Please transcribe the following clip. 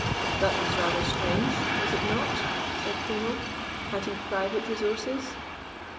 "That was rather strange; was it not?" said Klimo. "Had he private resources?"